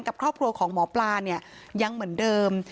กับครอบครัวของหมอปลาเนี่ยยังเหมือนเดิม